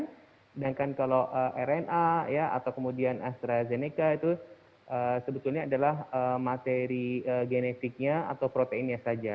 sedangkan kalau rna atau kemudian astrazeneca itu sebetulnya adalah materi genetiknya atau proteinnya saja